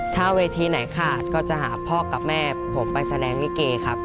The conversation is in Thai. ถ้าเวทีไหนขาดก็จะหาพ่อกับแม่ผมไปแสดงลิเกครับ